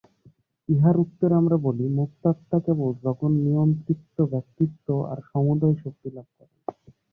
ইহার উত্তরে আমরা বলি, মুক্তাত্মা কেবল জগন্নিয়ন্তৃত্ব ব্যতীত আর সমুদয় শক্তিলাভ করেন।